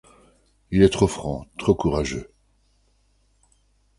Il est trop franc, trop courageux.